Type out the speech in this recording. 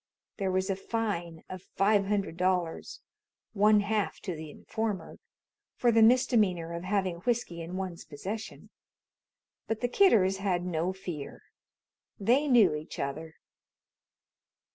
There was a fine of five hundred dollars one half to the informer for the misdemeanor of having whiskey in one's possession, but the Kidders had no fear. They knew each other.